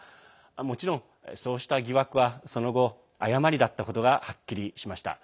もちろん、そうした疑惑はその後誤りだったことがはっきりしました。